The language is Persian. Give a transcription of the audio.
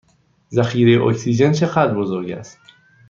ذخیره اکسیژن چه قدر بزرگ است؟